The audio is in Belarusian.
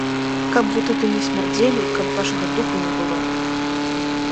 Каб вы тут і не смярдзелі і каб вашага духу не было!